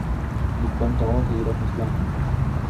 Die Front dauerte jedoch nicht lange.